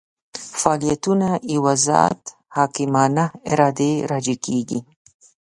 فاعلیتونه یوه ذات حکیمانه ارادې راجع کېږي.